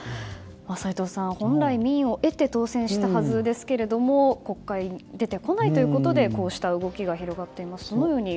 齋藤さん、本来民意を得て当選したはずですが国会に出てこないということでこうした動きが広がっています。